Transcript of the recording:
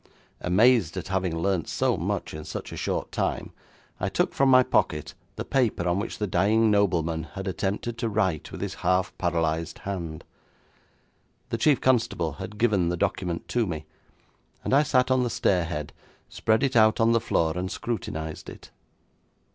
Amazed at having learnt so much in such a short time, I took from my pocket the paper on which the dying nobleman had attempted to write with his half paralysed hand. The chief constable had given the document to me, and I sat on the stair head, spread it out on the floor and scrutinised it.